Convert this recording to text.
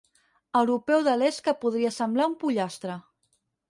Europeu de l'est que podria semblar un pollastre.